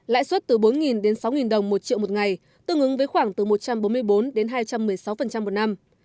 lãi suất từ bốn đến sáu đồng một triệu một ngày tương ứng với khoảng từ một trăm bốn mươi bốn đến hai trăm một mươi sáu một năm